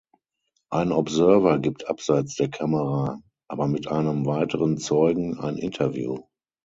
Ein Observer gibt abseits der Kamera, aber mit einem weiteren Zeugen, ein Interview.